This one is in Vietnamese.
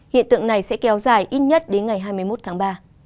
hiện tượng này sẽ kéo dài ít nhất đến ngày hai mươi một tháng ba